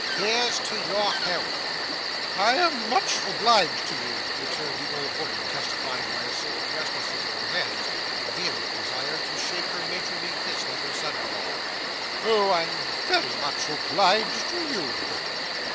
Here's to your health!' 'I am much obliged to you,' returned the old woman, testifying by a certain restlessness in her hands a vehement desire to shake her matronly fist at her son in law. 'Oh! I'm very much obliged to you!